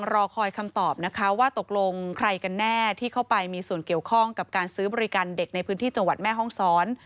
รอคอยคำตอบนะคะว่าตกลงใครกันแน่ที่เข้าไปมีส่วนเกี่ยวข้องกับการซื้อบริการเด็กในพื้นที่จังหวัดแม่ห้องซ้อน